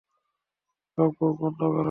বকবক বন্ধ কর!